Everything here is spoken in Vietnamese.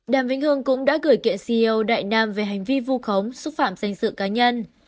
đàm vĩnh hương cũng đã gửi kẹo đại nam về hành vi vu khống xúc phạm danh sự cá nhân